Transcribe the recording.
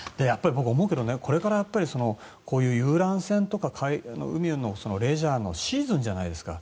僕思うけどこれから遊覧船とか海のレジャーのシーズンじゃないですか。